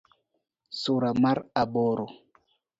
Sura mar aboro